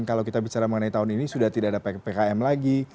percara mengenai tahun ini sudah tidak ada pkm lagi